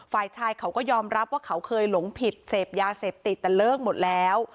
ฝ่ายชายเขาก็ยอมรับว่าเขาเคยหลงผิดเสพยาเสพติดแต่เลิกหมดแล้ว